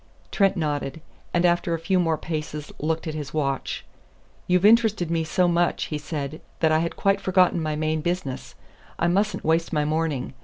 Trent nodded, and after a few more paces looked at his watch. "You've interested me so much," he said, "that I had quite forgotten my main business. I mustn't waste my morning.